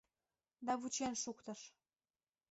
Да вучен шуктыш.